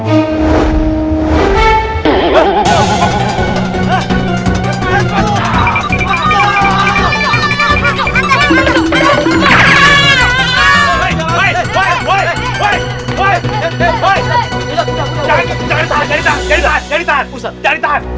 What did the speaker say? ustadz jangan ditahan